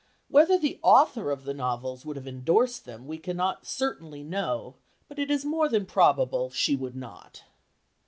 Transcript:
Whether the author of the novels would have endorsed them we cannot certainly know, but it is more than probable she would not.